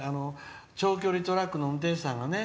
長距離トラックの運転手さんがね